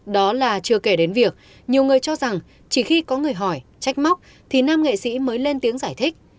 đó là chưa kể đến việc nhiều người cho rằng chỉ khi có người hỏi trách móc thì nam nghệ sĩ mới lên tiếng giải thích